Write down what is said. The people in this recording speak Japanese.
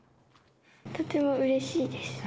とてもうれしいです。